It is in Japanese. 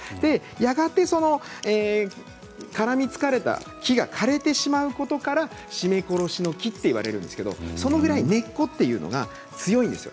やがて絡み疲れた木が枯れてしまうことから絞め殺しの木と言われるんですけどそのぐらい根っこというのが強いんです。